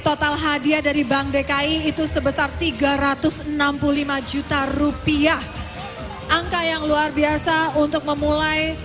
total hadiah dari bank dki itu sebesar tiga ratus enam puluh lima juta rupiah angka yang luar biasa untuk memulai